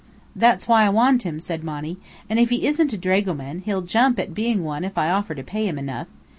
"That's why I want him," said Monny. "And if he isn't a dragoman, he'll jump at being one if I offer to pay him enough.